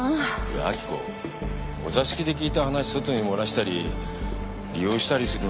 明子お座敷で聞いた話外に漏らしたり利用したりするのって。